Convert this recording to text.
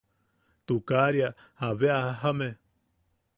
Tukaria abe a jajame.